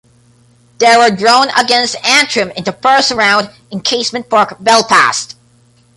They were drawn against Antrim in the first round in Casement Park, Belfast.